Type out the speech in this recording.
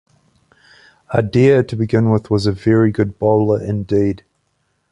Adair, to begin with, was a very good bowler indeed.